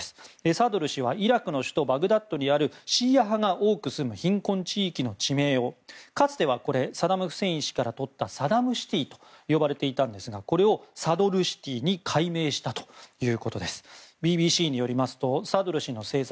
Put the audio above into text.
サドル師はイラクの首都バグダッドにあるシーア派が住む貧困地域の地名をかつてはサダム・フセイン氏からとったサダムシティと呼ばれていたんですがこれを、サドルシティに改名したということです。